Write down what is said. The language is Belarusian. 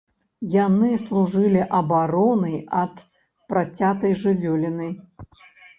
Яны служылі абаронай ад працятай жывёліны.